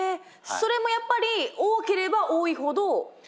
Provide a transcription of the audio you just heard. それもやっぱり多ければ多いほどいいんですか？